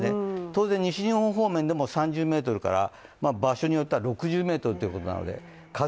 当然、西日本方面でも３０メートルから場所によっては６０メートルということなので風